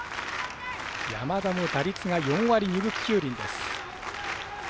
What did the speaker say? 山田も打率が４割２分９厘です。